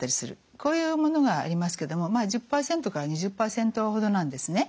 こういうものがありますけども１０％から２０％ほどなんですね。